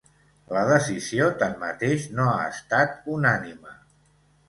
La decisió, tanmateix, no ha estat unànime.